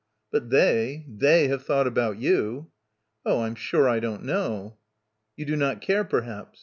"But they, they have thought about you." "Oh, I'm sure I don't know." "You do not care, perhaps?"